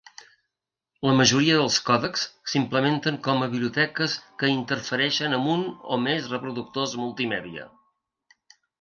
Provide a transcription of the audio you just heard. La majoria dels còdecs s'implementen com a biblioteques que interfereixen amb un o més reproductors multimèdia.